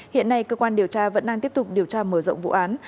hiện nay cơ quan điều tra vẫn đang tiếp tục điều tra mở rộng vụ án